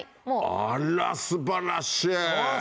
あら素晴らしい。